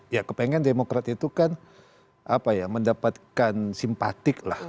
ya kepingin demokrat itu mendapatkan simpatik